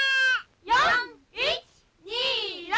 ４・１・２・６！